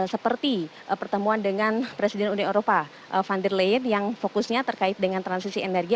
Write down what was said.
seperti pertemuan dengan presiden uni eropa van der leyen yang fokusnya terkait dengan transisi energi